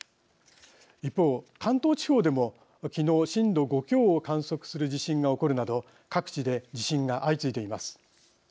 一方関東地方でも昨日震度５強を観測する地震が起こるなど各地で地震が相次いでいます。